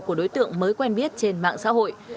của đối tượng mới quen biết trên mạng xã hội